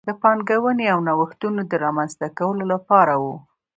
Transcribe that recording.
د پانګونې او نوښتونو د رامنځته کولو لپاره و.